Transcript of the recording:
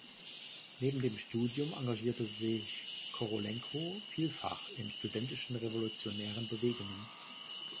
Neben dem Studium engagierte sich Korolenko vielfach in studentischen revolutionären Bewegungen.